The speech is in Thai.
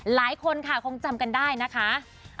หลายคนค่ะคงจำกันได้นะคะ